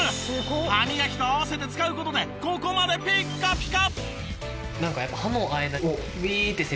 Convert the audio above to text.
歯磨きと合わせて使う事でここまでピッカピカ！